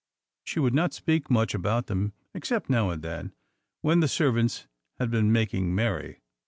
She would not speak much about them, except now and then, when the servants had been making merry.